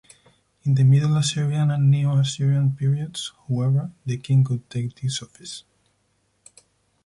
In the Middle Assyrian and Neo-Assyrian periods, however, the king could take this office.